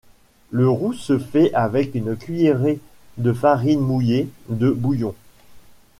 Le roux se fait avec une cuillerée de farine mouillée de bouillon.